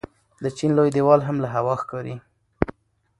د چین لوی دیوال هم له هوا ښکاري.